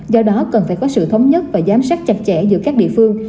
do đó cần phải có sự thống nhất và giám sát chặt chẽ giữa các địa phương